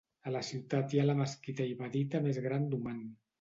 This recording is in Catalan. A la ciutat hi ha la mesquita ibadita més gran d'Oman.